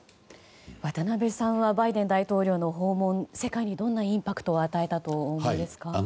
渡辺さんはバイデン大統領の訪問は世界にどんなインパクトを与えたとお思いですか。